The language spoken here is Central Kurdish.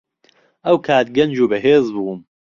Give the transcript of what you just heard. ئەو کات گەنج و بەهێز بووم.